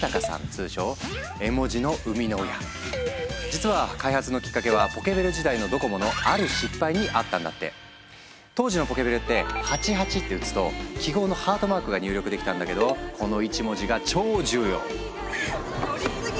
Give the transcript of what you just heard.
通称実は開発のきっかけはポケベル時代のドコモの当時のポケベルって「８８」って打つと記号のハートマークが入力できたんだけどこの１文字が超重要。